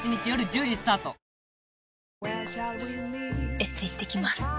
エステ行ってきます。